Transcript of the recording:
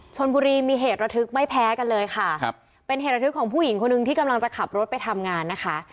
ชนบุรีมีเหตุระทึกไม่แพ้กันเลยค่ะครับเป็นเหตุระทึกของผู้หญิงคนหนึ่งที่กำลังจะขับรถไปทำงานนะคะ